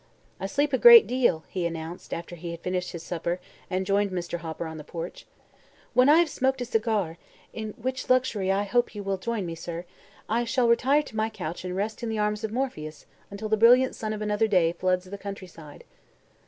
"I sleep a great deal," he announced after he had finished his supper and joined Mr. Hopper on the porch. "When I have smoked a cigar in which luxury I hope you will join me, sir I shall retire to my couch and rest in the arms of Morpheus until the brilliant sun of another day floods the countryside."